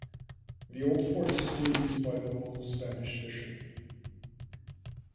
The old port is still used by the local Spanish fisherman.